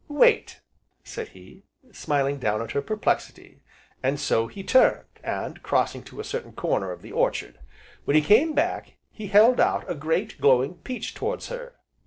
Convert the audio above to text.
"Wait!" said he, smiling down at her perplexity, and so he turned, and crossed to a certain corner of the orchard. When he came back he held out a great, glowing peach towards her.